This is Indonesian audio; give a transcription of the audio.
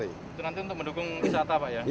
itu nanti untuk mendukung wisata pak ya